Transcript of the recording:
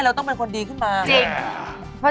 สวัสดีครับ